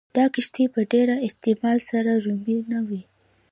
دا کښتۍ په ډېر احتمال سره رومي نه وې